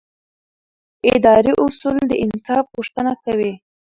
اداري اصول د انصاف غوښتنه کوي.